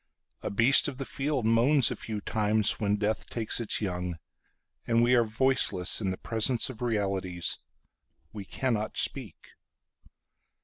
A beast of the field moans a few timesWhen death takes its young. And we are voiceless in the presence of realities—We cannot speak.